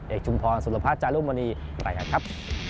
เอกจุงทรสุรพาทจารุมณีไลฮัทครับ